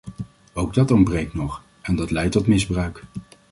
Ook dat ontbreekt nog, en dat leidt tot misbruik.